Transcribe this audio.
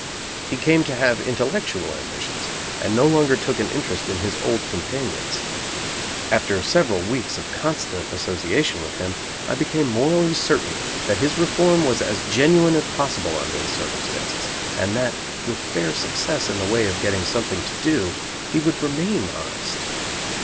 He came to have intellectual ambitions and no longer took an interest in his old companions. After several weeks of constant association with him I became morally certain that his reform was as genuine as possible under the circumstances; and that, with fair success in the way of getting something to do, he would remain honest.